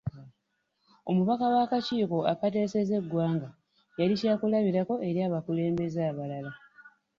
Omubaka wa akakiiko akateeseza eggwanga yali kya kulabirako eri abakulembeze abalala.